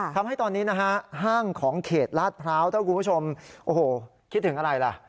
ทำให้ตอนนี้นะฮะห้างของเขตลาดพร้าวถ้าคุณผู้ชมโอ้โหคิดถึงอะไรล่ะ